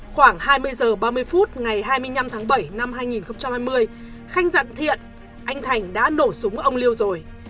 khoảng hai mươi giờ ba mươi phút ngày hai mươi năm tháng bảy năm hai nghìn hai mươi khanh dặn thiện anh thành đã nổ súng ông liêu rồi